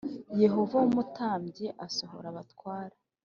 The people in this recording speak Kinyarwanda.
Yehoyada w umutambyi asohora abatware